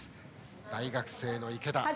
大学生の池田。